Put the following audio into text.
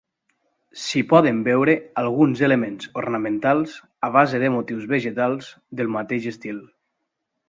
S'hi poden veure alguns elements ornamentals a base de motius vegetals del mateix estil.